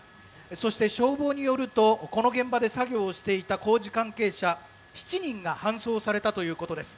そして消防によるとこの現場で作業していた工事関係者７人が搬送されたということです。